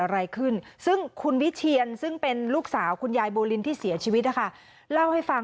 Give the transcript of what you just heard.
แล้วสุดท้ายคุณยายบูรินก็เสียชีวิตในที่สุด